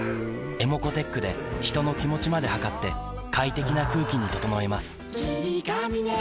ｅｍｏｃｏーｔｅｃｈで人の気持ちまで測って快適な空気に整えます